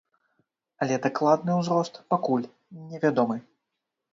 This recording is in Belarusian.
Але дакладны ўзрост пакуль невядомы.